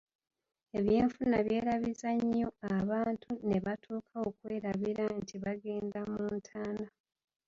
Ebyenfuna byerabiza nnyo abantu ne batuuka okwerabira nti bagenda mu ntaana.